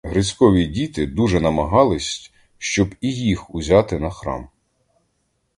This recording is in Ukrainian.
Грицькові діти дуже намагались, щоб і їх узяти на храм.